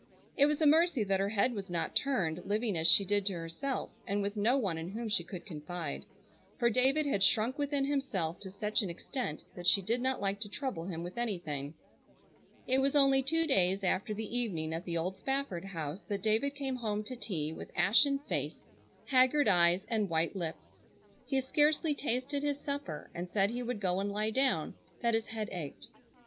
It was a mercy that her head was not turned, living as she did to herself, and with no one in whom she could confide. For David had shrunk within himself to such an extent that she did not like to trouble him with anything. It was only two days after the evening at the old Spafford house that David came home to tea with ashen face, haggard eyes and white lips. He scarcely tasted his supper and said he would go and lie down, that his head ached.